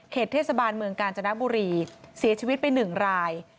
เทศบาลเมืองกาญจนบุรีเสียชีวิตไป๑ราย